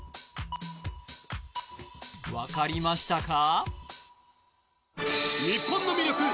分かりましたか？